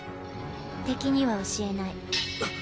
敵には教えない。